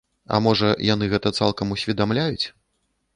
А можа, яны гэта цалкам усведамляюць?